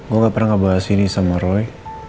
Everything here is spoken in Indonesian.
gue gak pernah ngebahas ini sama roy